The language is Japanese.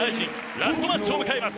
ラストマッチを迎えます。